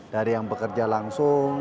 dari yang bekerja langsung